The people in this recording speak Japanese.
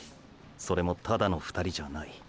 それもただの２人じゃない。